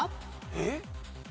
えっ？